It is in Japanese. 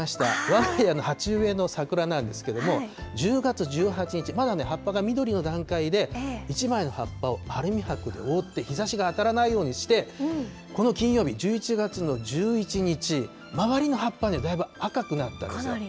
わが家の鉢植えの桜なんですけれども、１０月１８日、まだ葉っぱが緑の段階で１枚の葉っぱをアルミはくで覆って日ざしが当たらないようにしてこの金曜日、１１月の１１日、周りの葉っぱ、だいぶ赤くなったんですよ。